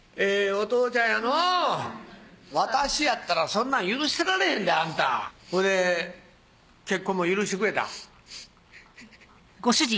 お父ちゃんやのう私やったらそんなん許してられへんであんたほいで結婚も許してくれたん？